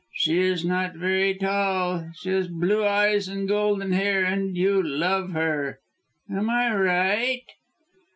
She is not very tall, she has blue eyes and golden hair, and you love her. Am I right?"